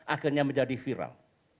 akhirnya menjadi viral